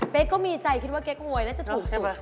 ก็มีใจคิดว่าเก๊กหวยน่าจะถูกสุด